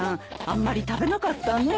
あんまり食べなかったね。